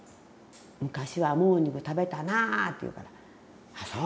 「昔はモーニング食べたな」って言うから「ああそう。